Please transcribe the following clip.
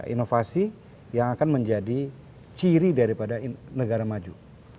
inovasi yang akan menjadi ciri daripada negara maju